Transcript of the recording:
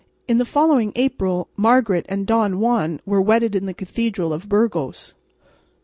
In the following April Margaret and Don Juan were wedded in the cathedral of Burgos.